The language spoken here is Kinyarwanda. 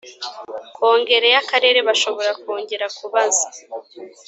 kongere y akarere bashobora kongera kubaza